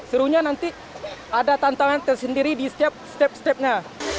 serunya nanti ada tantangan tersendiri di setiap step stepnya